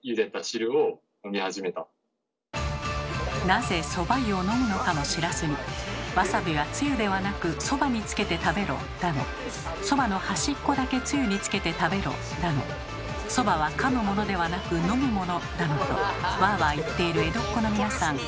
なぜそば湯を飲むのかも知らずに「わさびはつゆではなくそばにつけて食べろ」だの「そばの端っこだけつゆにつけて食べろ」だの「そばはかむものではなく飲むもの」だのとワーワー言っている江戸っ子の皆さん。